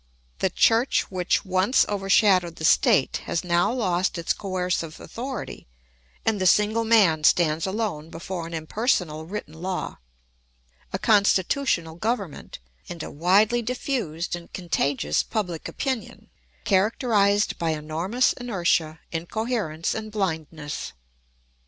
The church which once overshadowed the state has now lost its coercive authority and the single man stands alone before an impersonal written law, a constitutional government, and a widely diffused and contagious public opinion, characterised by enormous inertia, incoherence, and blindness.